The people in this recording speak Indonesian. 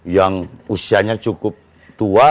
yang usianya cukup tua